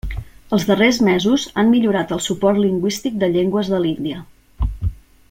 Els darrers mesos han millorat el suport lingüístic de llengües de l'Índia.